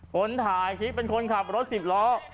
คนถ่ายคิดเป็นคนขับตัวรถ๑๐ล้อ